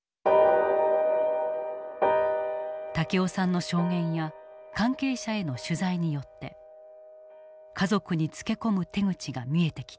武雄さんの証言や関係者への取材によって家族につけ込む手口が見えてきた。